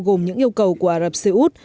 gồm những yêu cầu của ả rập xê út